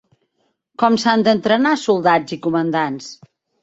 Com s'han d'entrenar soldats i comandants?